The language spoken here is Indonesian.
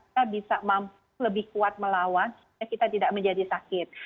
kita bisa mampu lebih kuat melawan kita tidak menjadi sakit